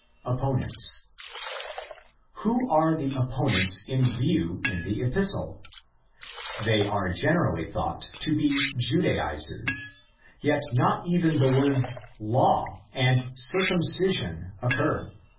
Opponents. Who are the opponents in view in the Epistle? They are generally thought to be Judaisers ; yet not even the words ''law" and "" circumcision "' occur.